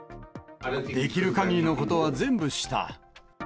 できるかぎりのことは全部した。